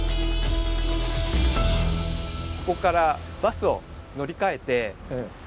ここからバスを乗り換えて船で。